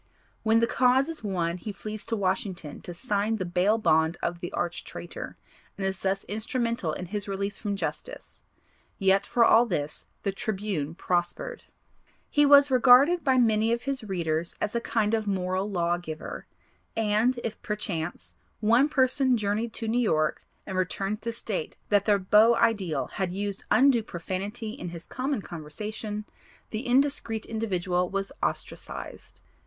When the cause is won he flees to Washington to sign the bail bond of the arch traitor, and is thus instrumental in his release from justice. Yet, for all this the Tribune prospered. He was regarded by many of his readers as a kind of moral law giver, and if, per chance, one person journeyed to New York and returned to state that their beau ideal had used undue profanity in his common conversation, the indiscrete individual was ostracised.